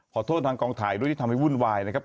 ขอโทษทางกองถ่ายด้วยที่ทำให้วุ่นวายนะครับ